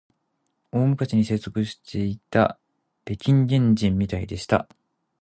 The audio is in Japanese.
大昔に生息していた北京原人みたいでした